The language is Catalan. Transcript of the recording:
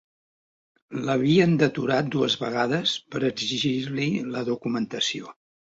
L'havien deturat dues vegades per exigir-li la documentació